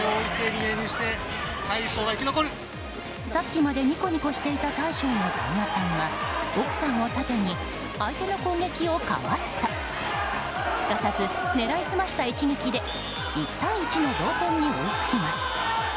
さっきまでニコニコしていた大将の旦那さんが奥さんを盾に相手の攻撃をかわすとすかさず、狙い澄ました一撃で１対１の同点に追いつきます。